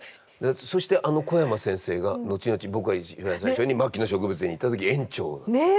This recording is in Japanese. そしてあの小山先生が後々僕が一番最初に牧野植物園に行った時園長だった。